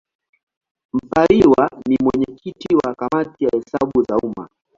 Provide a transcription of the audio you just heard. Mpariwa ni mwenyekiti wa Kamati ya Hesabu za Umma.